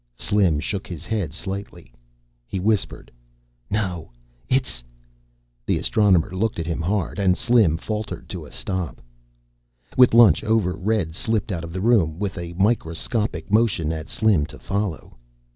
Slim shook his head slightly. He whispered, "No, it's " The Astronomer looked at him hard and Slim faltered to a stop. With lunch over, Red slipped out of the room, with a microscopic motion at Slim to follow.